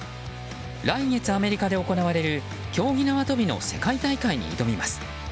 来月、アメリカで行われる競技縄跳びの世界大会に挑みます。